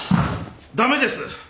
駄目です！